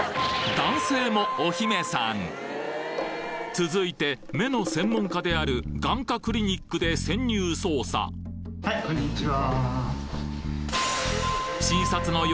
続いて目の専門家である眼科クリニックで潜入捜査はいこんにちは。